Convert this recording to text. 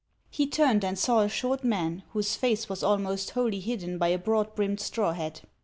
He turned and saw a short man, whose face was almost wholly hidden by a broad brimmed straw hat.